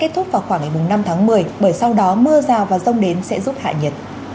kết thúc vào khoảng ngày năm tháng một mươi bởi sau đó mưa rào và rông đến sẽ giúp hại nhiệt